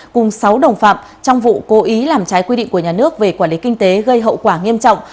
cùng sáu đồng phạm trong vụ cố ý làm trái quy định của nhà nước về quản lý kinh tế gây hậu quả nghiêm trọng